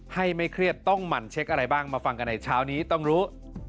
ไม่เครียดต้องหมั่นเช็คอะไรบ้างมาฟังกันในเช้านี้ต้องรู้